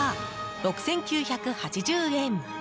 ６９８０円。